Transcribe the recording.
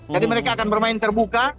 jadi mereka akan bermain terbuka